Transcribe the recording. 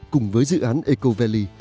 cùng với dự án eco valley